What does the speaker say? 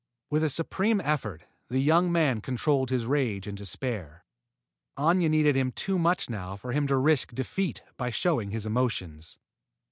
With a supreme effort, the young man controlled his rage and despair. Aña needed him too much now for him to risk defeat by showing his emotions.